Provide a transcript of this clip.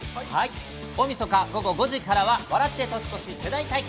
大みそか午後５時からは『笑って年越し！世代対決』。